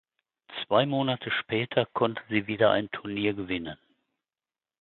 Zwei Monate später konnte sie wieder ein Turnier gewinnen.